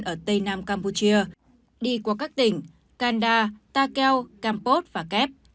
ở tây nam campuchia đi qua các tỉnh kanda takeo campos và kép